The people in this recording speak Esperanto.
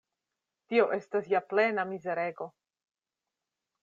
Tio estas ja plena mizerego!